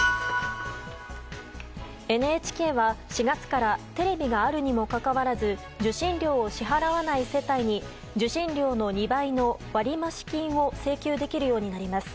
ＮＨＫは４月からテレビがあるにもかかわらず受信料を支払わない世帯に受信料の２倍の割増金を請求できるようになります。